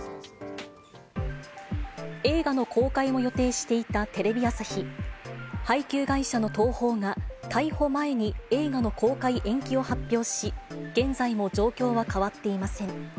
映画の公開も予定していたテレビ朝日、配給会社の東宝が、逮捕前に映画の公開延期を発表し、現在も状況は変わっていません。